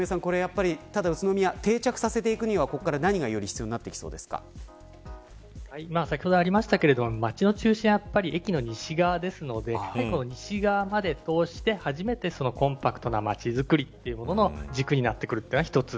宇都宮定着させていくにはここから先ほどありましたが街の中心は駅の西側ですので西側まで通して初めてコンパクトな街づくりの軸になってくるのが１つ。